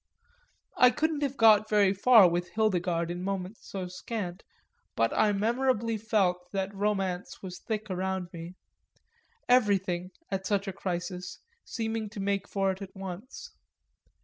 I couldn't have got very far with Hildegarde in moments so scant, but I memorably felt that romance was thick round me everything, at such a crisis, seeming to make for it at once.